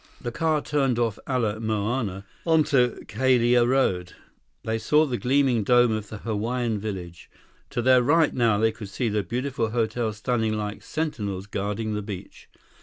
The car turned off Ala Moana onto Kalia Road. They saw the gleaming dome of the Hawaiian Village. To their right now, they could see the beautiful hotels standing like sentinels guarding the beach.